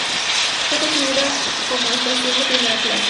Fue Construida como estación de primera clases.